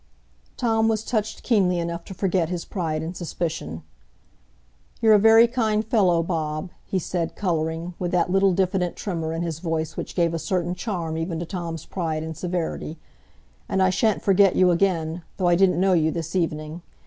Tom was touched keenly enough to forget his pride and suspicion. "You're a very kind fellow, Bob," he said, colouring, with that little diffident tremor in his voice which gave a certain charm even to Tom's pride and severity, "and I sha'n't forget you again, though I didn't know you this evening.